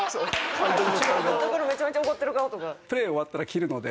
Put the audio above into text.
監督のめちゃめちゃ怒ってる顔とか。